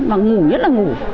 và ngủ nhất là ngủ